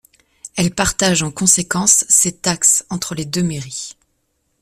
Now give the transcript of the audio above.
Elle partage en conséquence ses taxes entre les deux mairies.